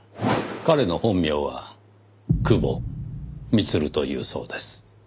彼の本名は久保充というそうです。